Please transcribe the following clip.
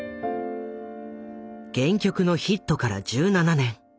原曲のヒットから１７年。